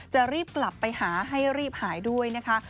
จะรีบกลับไปหาให้รีบหายด้วยนะคะ